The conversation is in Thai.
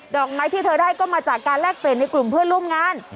อกไม้ที่เธอได้ก็มาจากการแลกเปลี่ยนในกลุ่มเพื่อนร่วมงาน